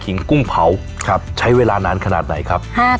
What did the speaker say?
กุ้งเผาใช้เวลานานขนาดไหนครับ